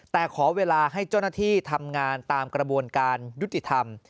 แต่ขอเวลาให้เจ้าหน้าที่ทำงานตามกระบวนการยุติธรรม